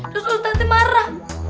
terus ustadz marah